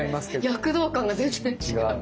躍動感が全然違う。